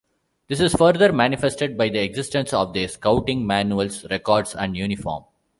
This is further manifested by the existence of their Scouting manuals, records and, uniform.